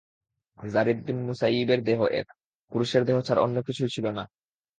যারীদ বিন মুসাইয়িবের দেহ এক পুরুষের দেহ ছাড়া অন্য কিছুই ছিল না।